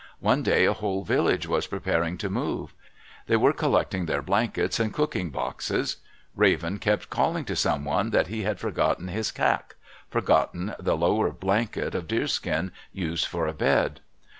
One day a whole village was preparing to move. They were collecting their blankets and cooking boxes. Raven kept calling to someone that he had forgotten his kak—forgotten the lower blanket of deerskin used for a bed.